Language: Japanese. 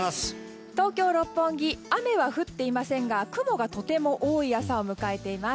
東京・六本木雨は降っていませんが雲がとても多い朝を迎えています。